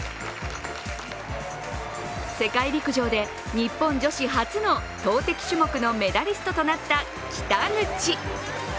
世界陸上で日本女子初の投てき種目のメダリストとなった北口。